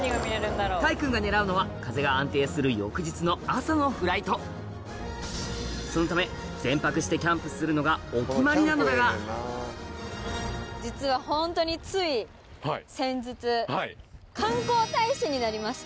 開君が狙うのは風が安定する翌日の朝のフライトそのため前泊してキャンプするのがお決まりなのだが実はホントについ先日観光大使になりまして。